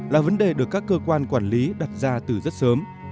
là vấn đề được các cơ quan quản lý đặt ra từ rất sớm